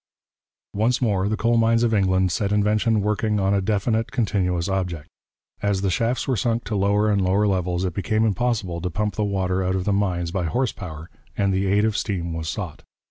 Once more the coal mines of England set invention working on a definite, continuous object. As the shafts were sunk to lower and lower levels, it became impossible to pump the water out of the mines by horse power, and the aid of steam was sought.